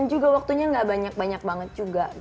juga waktunya gak banyak banyak banget juga